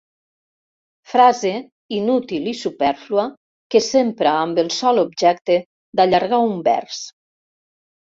Frase, inútil i supèrflua, que s'empra amb el sol objecte d'allargar un vers.